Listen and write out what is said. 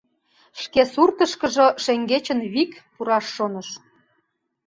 Шке суртышкыжо шеҥгечын вик пураш шоныш.